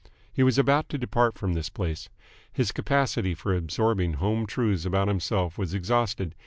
He was about to depart from this place. His capacity for absorbing home truths about himself was exhausted.